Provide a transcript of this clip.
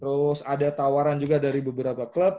terus ada tawaran juga dari beberapa klub